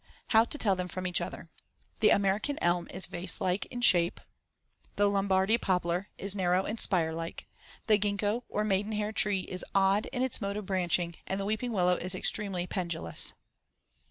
How to tell them from each other: The American elm is vase like in shape; the Lombardy poplar is narrow and spire like; the gingko, or maidenhair tree, is odd in its mode of branching; and the weeping willow is extremely pendulous.